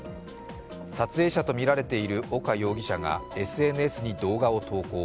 撮影者とみられている岡容疑者がＳＮＳに動画を投稿。